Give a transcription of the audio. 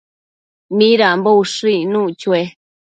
¿Midambo ushëc icnuc chue?